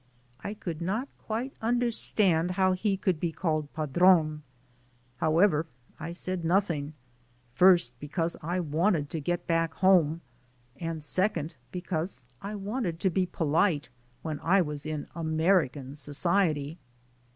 I could not quite understand how he could be called "padrone." However, I said nothing, first because I wanted to get back home, and second because I wanted to be polite when I was in Ameri can society!